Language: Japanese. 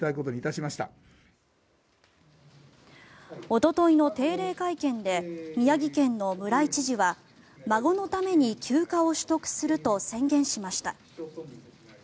おとといの定例会見で宮城県の村井知事は孫のために休暇を取得すると宣言しました。